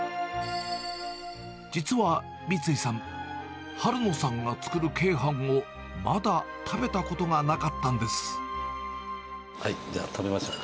実は三井さん、春野さんが作る鶏飯を、まだ食べたことがなかったじゃあ、食べましょうか。